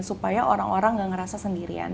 supaya orang orang gak ngerasa sendirian